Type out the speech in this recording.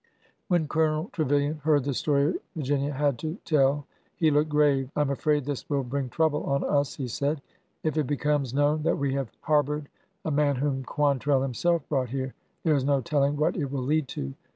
When Colonel Trevilian heard the story Virginia had to tell he looked grave. I am afraid this will bring trouble on us," he said. '' If it becomes known that we have harbored a man whom Quantrell himself brought here, there is no telling what it will lead to.